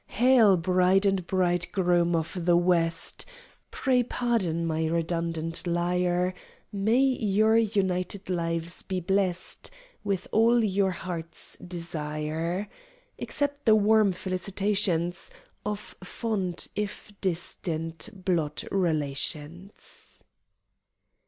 Hail, Bride and Bridegroom of the West! (Pray pardon my redundant lyre) May your united lives be blest With all your hearts' desire! Accept the warm felicitations Of fond, if distant, blood relations!